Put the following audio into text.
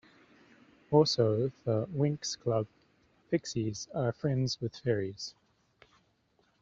Also, the "Winx Club" pixies are friends with fairies.